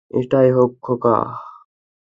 সেটাই হোক, খোকা।